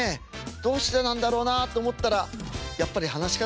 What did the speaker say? どうしてなんだろうなと思ったらやっぱり噺家ですね